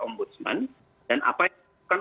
ombudsman dan apa yang dilakukan